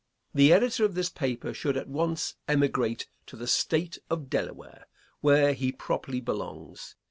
The editor of this paper should at once emigrate to the State of Delaware, where he properly belongs.